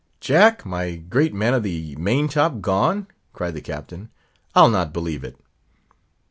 Jack, my great man of the main top, gone!" cried the captain; "I'll not believe it."